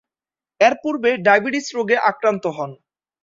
এরপূর্বে ডায়াবেটিস রোগে আক্রান্ত হন।